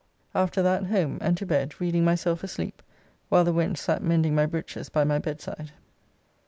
After that home and to bed, reading myself asleep, while the wench sat mending my breeches by my bedside.